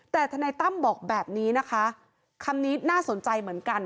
แต่ทนายตั้มบอกแบบนี้นะคะคำนี้น่าสนใจเหมือนกัน